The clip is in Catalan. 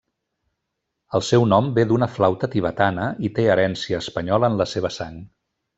El seu nom ve d'una flauta tibetana, i té herència espanyola en la seva sang.